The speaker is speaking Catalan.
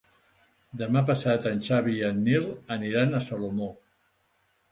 Demà passat en Xavi i en Nil aniran a Salomó.